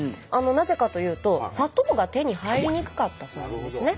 なぜかというと砂糖が手に入りにくかったそうなんですね。